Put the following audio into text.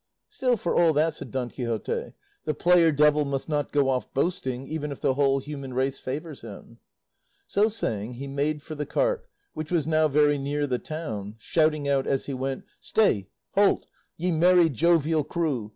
"Still, for all that," said Don Quixote, "the player devil must not go off boasting, even if the whole human race favours him." So saying, he made for the cart, which was now very near the town, shouting out as he went, "Stay! halt! ye merry, jovial crew!